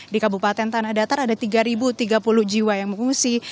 di kabupaten tanah datar ada tiga tiga puluh jiwa yang mengungsi